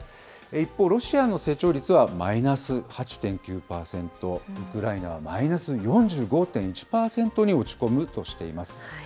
一方、ロシアの成長率はマイナス８．９％、ウクライナはマイナス４５．１％に落ち込むとしています。